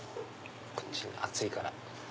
こっちに熱いから。